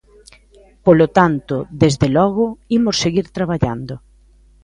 Polo tanto, desde logo, imos seguir traballando.